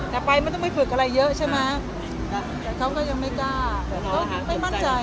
แต่ไปไม่ต้องไปฝึกอะไรเยอะใช่ไหมแต่เขาก็ยังไม่กล้าเขาไม่มั่นใจ